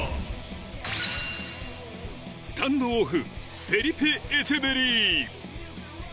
スタンドオフ、フェリペ・エチェベリー。